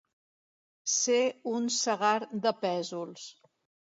Ser un segar de pèsols.